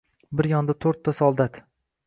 Bir yonda to’rtta soldat.